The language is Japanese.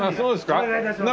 お願い致します。